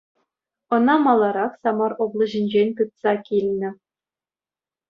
Ӑна маларах Самар облаҫӗнчен тытса килнӗ.